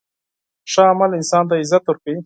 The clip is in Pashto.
ښه عمل انسان ته عزت ورکوي.